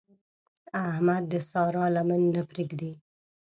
احمد د سارا لمن نه پرېږدي.